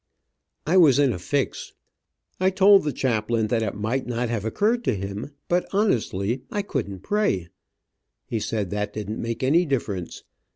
I was in a fix. I told the chaplain that it might not have occurred to him, but honestly, I couldn't pray. He said that didn't make any difference.